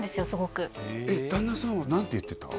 旦那さんは何て言ってた？